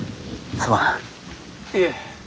いえ。